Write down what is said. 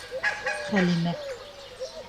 Хәлимә